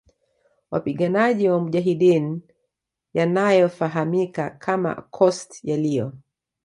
wapiganaji wa mujahideen yanayo fahamika kama Khost yaliyo